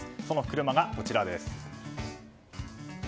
その車がこちら。